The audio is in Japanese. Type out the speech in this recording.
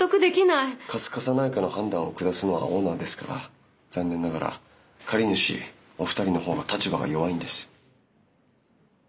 貸す貸さないかの判断を下すのはオーナーですから残念ながら借り主お二人の方の立場が弱いんです。